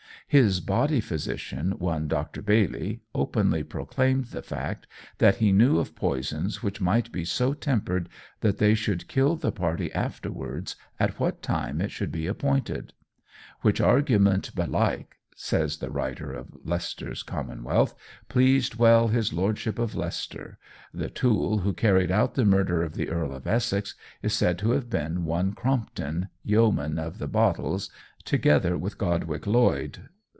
"His body physician, one Dr. Bayly, openly proclaimed the fact that he knew of poisons which might be so tempered that they should kill the party afterwards at what time it should be appointed; which argument belike," says the writer of Leycester's Commonwealth, "pleased well his Lordship of Leicester. The tool who carried out the murder of the Earl of Essex is said to have been one Crompton, Yeoman of the Bottles, together with Godwick Lloyd."